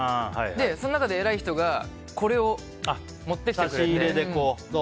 その中で、偉い人がこれを持ってきてくれて。